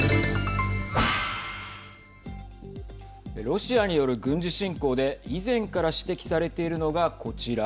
ロシアによる軍事侵攻で以前から指摘されているのがこちら。